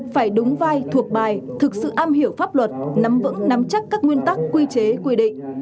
phải đúng vai thuộc bài thực sự am hiểu pháp luật nắm vững nắm chắc các nguyên tắc quy chế quy định